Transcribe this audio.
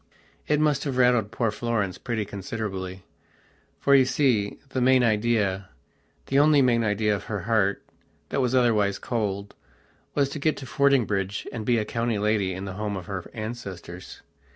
It must have rattled poor Florence pretty considerably, for you see, the main ideathe only main idea of her heart, that was otherwise coldwas to get to Fordingbridge and be a county lady in the home of her ancestors.